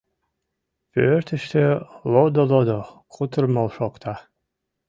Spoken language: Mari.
Пӧртыштӧ лодо-лодо кутырымо шокта.